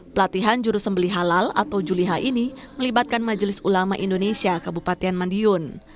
pelatihan jurusembeli halal atau juliha ini melibatkan majelis ulama indonesia kabupaten madiun